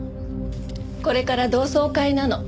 これから同窓会なの。